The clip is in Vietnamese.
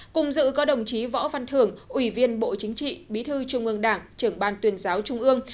cùng dự có đồng chí võ văn thưởng ủy viên bộ chính trị bí thư trung ương đảng trưởng ban tuyên giáo trung ương